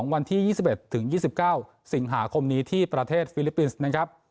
วันที่๒๑ถึง๒๙สิงหาคมนี้ที่ประเทศฟิลิปปินส์นะครับ